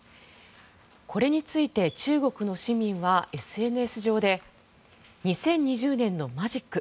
これについて中国の市民はＳＮＳ上で２０２０年のマジック。